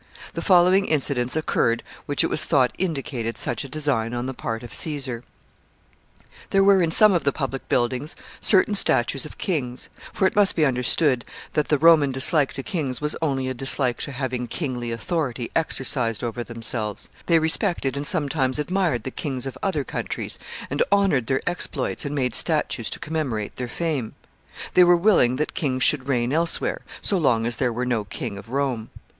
The following incidents occurred which it was thought indicated such a design on the part of Caesar. [Sidenote: American feeling.] There were in some of the public buildings certain statues of kings; for it must be understood that the Roman dislike to kings was only a dislike to having kingly authority exercised over themselves. They respected and sometimes admired the kings of other countries, and honored their exploits, and made statues to commemorate their fame. They were willing that kings should reign elsewhere, so long as there were no king of Rome.